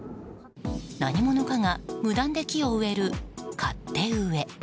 何者かが無断で木を植える勝手植え。